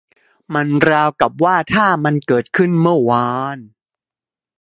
มันราวกับว่าถ้ามันเกิดขึ้นเมื่อวาน